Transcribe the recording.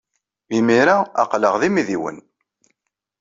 Imir-a, aql-aɣ d imidiwen.